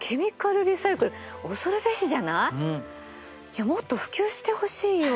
いやもっと普及してほしいよ。